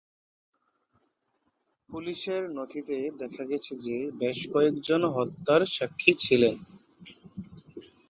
পুলিশের নথিতে দেখা গেছে যে বেশ কয়েকজন হত্যার সাক্ষী ছিলেন।